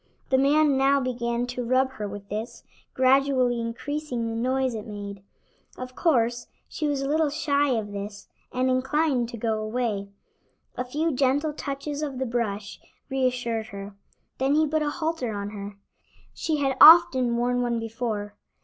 The man now began to rub her with this, gradually increasing the noise it made. Of course, she was a little shy of this, and inclined to go away. A few gentle touches of the brush reassured her. Then he put a halter on her. She had often worn one before.